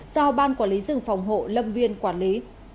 do ban quản lý rừng phòng hộ lâm viên quản lý